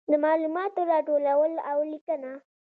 د معلوماتو راټولول او لیکنه.